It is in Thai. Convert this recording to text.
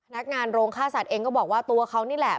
นักงานโรงฆ่าสัตว์เองก็บอกว่าตัวเขานี่แหละ